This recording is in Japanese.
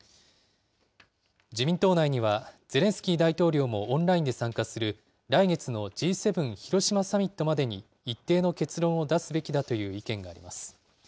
自民党内には、ゼレンスキー大統領もオンラインで参加する来月のＧ７広島サミットまでに一定の結論を出すべきだという意見があります。